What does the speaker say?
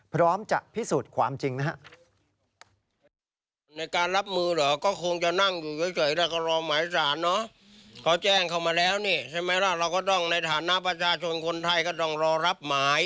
พร้อมจะพิสูจน์ความจริงนะครับ